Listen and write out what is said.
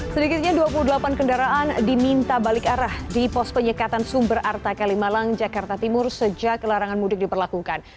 sedikitnya dua puluh delapan kendaraan diminta balik arah di pos penyekatan sumber arta kalimalang jakarta timur sejak larangan mudik diperlakukan